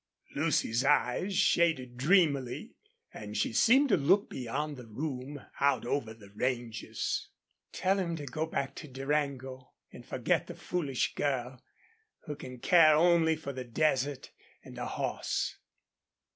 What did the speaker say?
Lucy's eyes shaded dreamily, and she seemed to look beyond the room, out over the ranges. "Tell him to go back to Durango and forget the foolish girl who can care only for the desert and a horse."